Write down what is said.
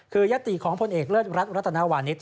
คือยติของพลเอกเลิศรัฐรัตนาวานิส